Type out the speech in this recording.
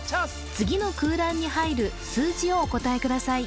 次の空欄に入る数字をお答えください